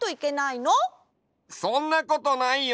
そんなことないよ。